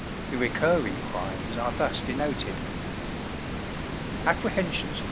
The recurring crimes are thus denoted: Apprehensions for 1853.